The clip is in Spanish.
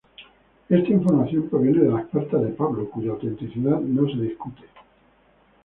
Esta información proviene de las cartas de Pablo, cuya autenticidad no se discute.